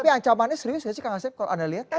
tapi ancamannya serius gak sih kang asep kalau anda lihat